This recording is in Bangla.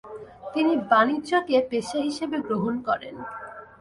তিনি বাণিজ্যকে পেশা হিসেবে গ্রহণ করেন।